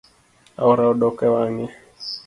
Aora odok ewange